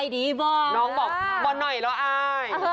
น้องบอกบอกหน่อยแล้วอ่าย